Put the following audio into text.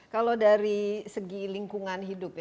kalau dari segi lingkungan hidup ya